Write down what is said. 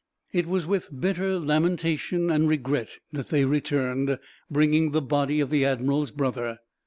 It was with bitter lamentation and regret that they returned, bringing the body of the admiral's brother.